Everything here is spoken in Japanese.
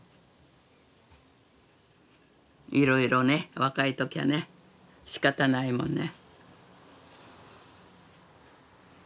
いろいろね若い時はねしかたないもんね。